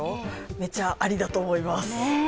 めっちゃありだと思います。